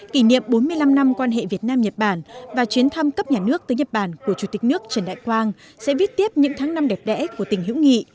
kỷ niệm bốn mươi năm năm quan hệ việt nam nhật bản và chuyến thăm cấp nhà nước tới nhật bản của chủ tịch nước trần đại quang sẽ viết tiếp những tháng năm đẹp đẽ của tình hữu nghị